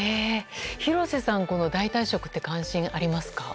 廣瀬さん、代替食って関心はありますか？